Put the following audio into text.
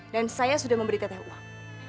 dan saya sudah memberi tete uang